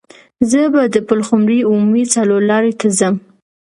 زه به د پلخمري عمومي څلور لارې ته ځم.